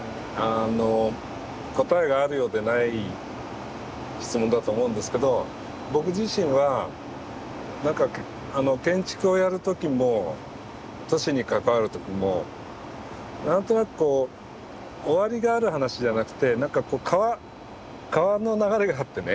答えがあるようでない質問だと思うんですけど僕自身は建築をやる時も都市に関わる時も何となくこう終わりがある話じゃなくて川の流れがあってね